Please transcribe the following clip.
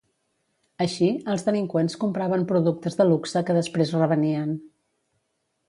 Així, els delinqüents compraven productes de luxe que després revenien.